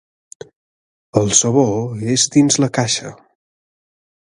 El sabó és dins la caixa.